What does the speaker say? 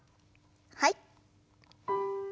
はい。